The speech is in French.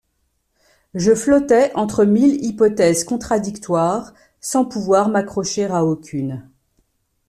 Je flottais entre mille hypothèses contradictoires, sans pouvoir m’accrocher à aucune.